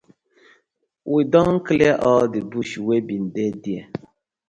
We don clear all di bush wey been dey dere.